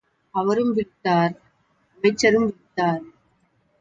அவரும் விழித்தார் அமைச்சரும் விழித்தார்.